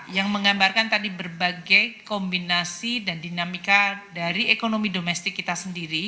yang menggambarkan tadi berbagai kombinasi dan dinamika dari ekonomi domestik kita sendiri